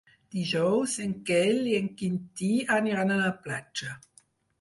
Dijous en Quel i en Quintí aniran a la platja.